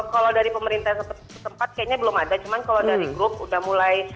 kalau dari pemerintah setempat kayaknya belum ada cuman kalau dari grup udah mulai